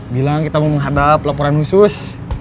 bilang kita mau menghadap laporan khusus